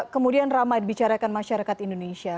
kemudian ramai dibicarakan masyarakat indonesia